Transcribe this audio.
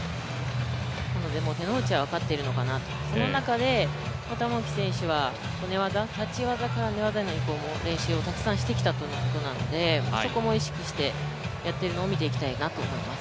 なので手の内は分かっているのかなと、その中で、玉置選手は立ち技から寝技にいく練習をたくさんしてきたということなのでそこも意識して、やっているのを見ていきたいなと思います。